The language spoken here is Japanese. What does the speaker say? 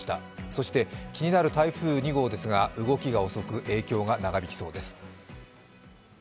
そして、気になる台風２号ですが動きが遅く影響が長引きそうです。